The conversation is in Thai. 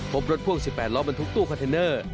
พบรถพ่วง๑๘ล้อบรรทุกตู้คอนเทนเนอร์